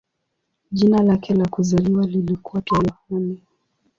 Jina lake la kuzaliwa lilikuwa pia "Yohane".